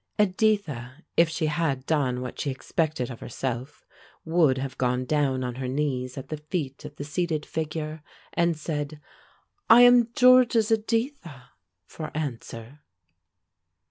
Editha, if she had done what she expected of herself, would have gone down on her knees at the feet of the seated figure and said, "I am George's Editha," for answer.